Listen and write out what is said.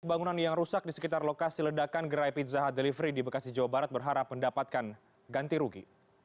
bangunan yang rusak di sekitar lokasi ledakan gerai pizza hut delivery di bekasi jawa barat berharap mendapatkan ganti rugi